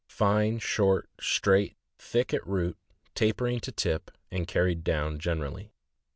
— Fine, short, straight, thick at root, tapering to tip, and carried down generally.